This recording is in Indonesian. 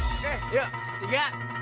oke yuk tiga dua satu